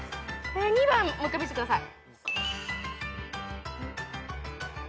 ２番もう１回見せてください。